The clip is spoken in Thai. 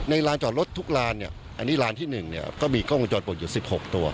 ลานจอดรถทุกลานเนี่ยอันนี้ลานที่๑เนี่ยก็มีกล้องวงจรปิดอยู่๑๖ตัว